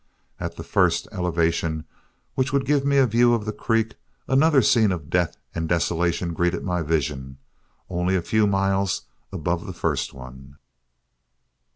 At the first elevation which would give me a view of the creek, another scene of death and desolation greeted my vision, only a few miles above the first one.